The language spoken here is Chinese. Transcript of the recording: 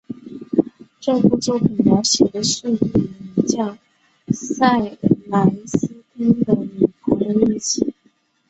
这部作品描写的是一名名叫塞莱丝汀的女仆的日记。